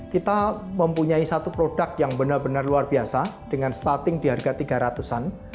kita mempunyai satu produk yang benar benar luar biasa dengan starting di harga tiga ratus an